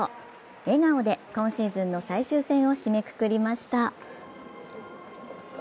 笑顔で今シーズンの最終戦を締めくくりました。